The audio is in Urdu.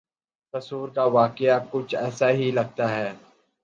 قصور کا واقعہ کچھ ایسا ہی لگتا ہے۔